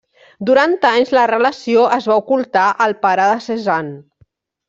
Durant anys, la relació es va ocultar al pare de Cézanne.